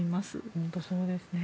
本当にそうですね。